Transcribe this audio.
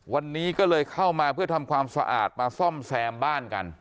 วันนี้ก็เลยเข้ามาเพื่อทำความสะอาดมาซ่อมแซมบ้านกัน